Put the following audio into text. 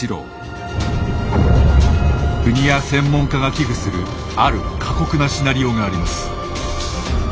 国や専門家が危惧するある過酷なシナリオがあります。